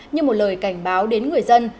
như một lời cảnh báo đến người dân